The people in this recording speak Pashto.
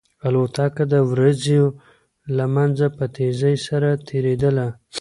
الوتکه د وريځو له منځه په تېزۍ سره تېرېدله.